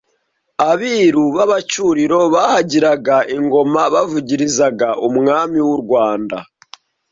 abiru b’Abacyuriro bahagiraga ingoma bavugirizaga umwami w’u Rwanda